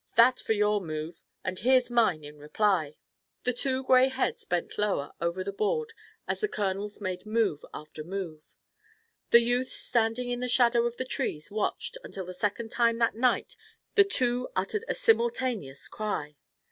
That for your move, and here's mine in reply." The two gray heads bent lower over the board as the colonels made move after move. The youths standing in the shadow of the trees watched until the second time that night the two uttered a simultaneous cry.